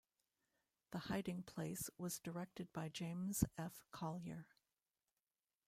"The Hiding Place" was directed by James F. Collier.